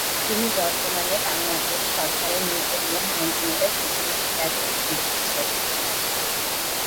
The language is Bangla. তিনি বর্তমানে বাংলাদেশ সরকারের নৌ-পরিবহণ মন্ত্রণালয়ের প্রতিমন্ত্রীর দায়িত্ব পালন করছেন।